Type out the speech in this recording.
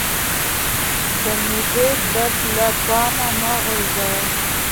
د معدې درد له پامه مه غورځوه